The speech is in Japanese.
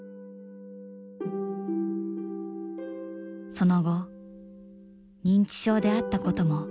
「その後認知症であったことも忘れています」。